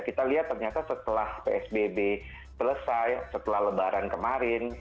kita lihat ternyata setelah psbb selesai setelah lebaran kemarin